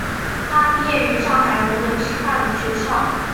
他毕业于上海龙门师范学校。